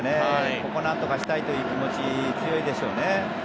ここをなんとかしたいという気持ち強いでしょうね。